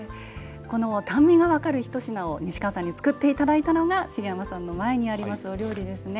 淡味が分かるひと品を西川さんに作っていただいたのが茂山さんの前にあるお料理ですね。